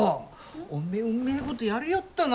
おめえうめえことやりよったな。